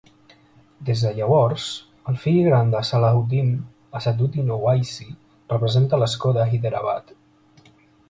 Des de llavors, el fill gran de Salahuddin, Asaduddin Owaisi, representa l'escó de Hyderabad.